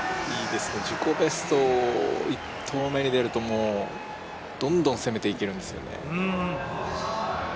自己ベストが１投目に出るとどんどん攻めていけるんですよね。